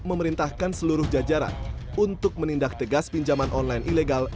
memerintahkan seluruh jajaran untuk menindak tegas pinjaman online ilegal